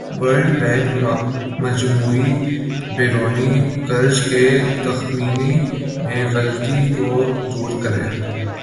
world Bank مجموعی بیرونی قرض کے تخمینے میں غلطی کو دور کرے